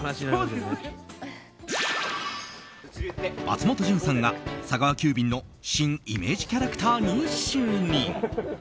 松本潤さんが佐川急便の新イメージキャラクターに就任。